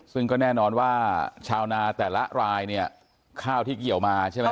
ซึ่งก็แน่นอนว่าชาวนาแต่ละรายเนี่ยข้าวที่เกี่ยวมาใช่ไหม